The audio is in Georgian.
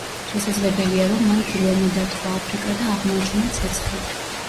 შესაძლებელია რომ მან პირველმა დატოვა აფრიკა და აღმოაჩინა ცეცხლი.